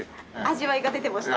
味わいが出てました。